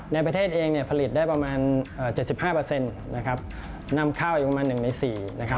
ในประเทศเองผลิตได้ประมาณ๗๕นำข้าวอยู่ประมาณ๑ใน๔